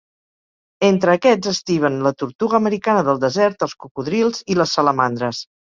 Entre aquests estiven la tortuga americana del desert, els cocodrils i les salamandres.